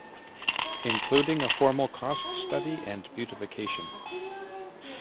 Including a formal cost study and beautification.